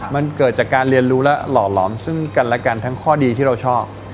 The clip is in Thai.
มันเกิดจากการเรียนรู้และหล่อหลอมซึ่งกันและกันทั้งข้อดีที่เราชอบ